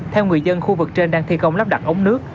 theo người dân khu vực trên đang thi công lắp đặt ống nước